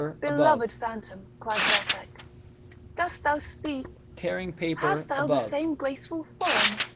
"Beloved phantom!" cried Vathek; "dost thou speak? hast thou the same graceful form?